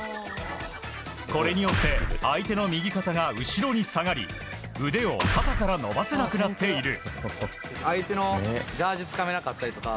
これによって相手の右肩が後ろに下がり腕を肩から伸ばせなくなっている。